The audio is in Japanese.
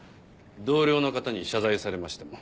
同僚の方に謝罪されましても。